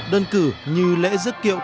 đơn cử như lễ giấc kiệu